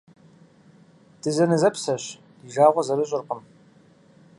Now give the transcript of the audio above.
Дызэнэзэпсэщ, ди жагъуэ зэрыщӀыркъым.